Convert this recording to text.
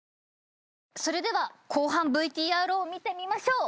それでは後半ＶＴＲを見てみましょう。